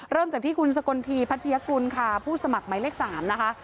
เริ่มจากที่คุณสกลทีพัทยากุลค่ะผู้สมัครหมายเลข๓นะคะ